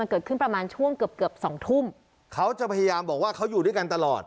เกิดขึ้นประมาณช่วงเกือบเกือบสองทุ่มเขาจะพยายามบอกว่าเขาอยู่ด้วยกันตลอด